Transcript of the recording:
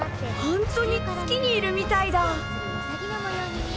ほんとに月にいるみたいだ。